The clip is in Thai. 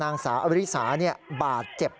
นางสาอาวัยรี่สาบาดเจ็บ